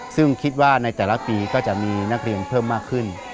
ซึ่งคิดว่าในแต่ละปีก็จะมีนักเรียนเพิ่มมากขึ้น